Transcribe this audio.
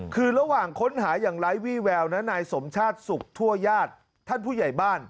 คือระหว่างค้นหาอย่างไร้วี่แววนะนายสมชาติสุขทั่วญาติท่านผู้ใหญ่บ้าน